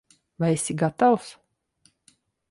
Vai esi gatavs?